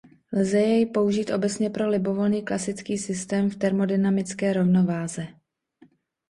Lze jej použít obecně pro libovolný klasický systém v termodynamické rovnováze.